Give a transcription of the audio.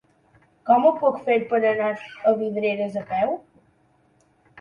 Com ho puc fer per anar a Vidreres a peu?